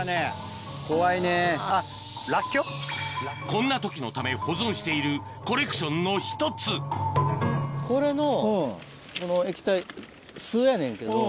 こんな時のため保存しているコレクションの１つこれのこの液体。